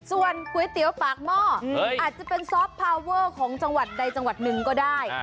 ส่วนก๋วยเตี๋ยวปากหม้ออาจจะเป็นซอฟต์พาวเวอร์ของจังหวัดใดจังหวัดหนึ่งก็ได้